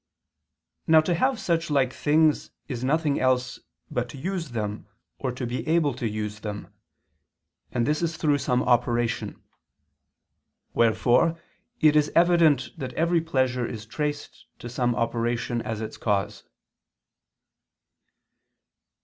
Now to have such like things is nothing else but to use them or to be able to use them: and this is through some operation. Wherefore it is evident that every pleasure is traced to some operation as its cause.